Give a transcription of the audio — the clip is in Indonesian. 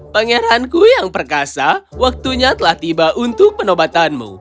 pangeranku yang perkasa waktunya telah tiba untuk penobatanmu